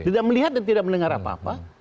tidak melihat dan tidak mendengar apa apa